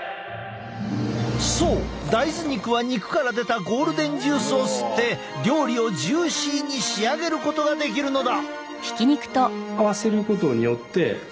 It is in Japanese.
そう大豆肉は肉から出たゴールデンジュースを吸って料理をジューシーに仕上げることができるのだ。